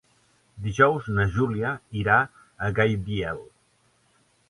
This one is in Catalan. Dijous na Júlia irà a Gaibiel.